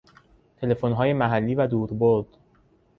تلفنهای محلی و دور برد